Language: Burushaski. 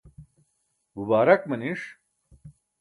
bubaarak maniṣ